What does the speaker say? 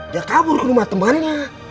dia kabur ke rumah temannya